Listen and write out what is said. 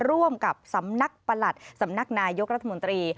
ร่วมกับสำนักประหลัดสำนักนายกรัฐมนตรี